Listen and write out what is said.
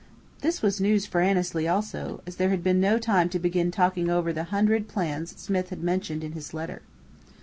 (This was news for Annesley also, as there had been no time to begin talking over the "hundred plans" Smith had mentioned in his letter.)